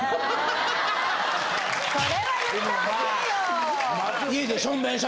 えそれは言ってほしいよ。